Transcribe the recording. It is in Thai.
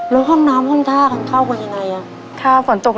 แล้วห้องน้ำห้องท่าของเข้าคนยังไง